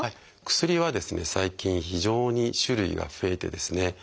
薬は最近非常に種類が増えてですね